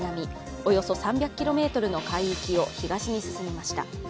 およそ３００ｋｍの海域を東に進みました。